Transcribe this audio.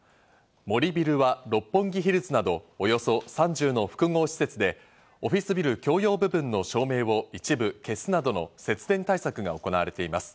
森ビルは六本木ヒルズなど、およそ３０の複合施設でオフィスビル共用部分の照明を一部消すなどの節電対策が行われています。